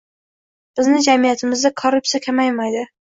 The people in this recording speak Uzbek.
bizning jamiyatimizda korrupsiya kamaymaydi.